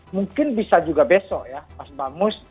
mungkin bisa juga besok ya mas bamus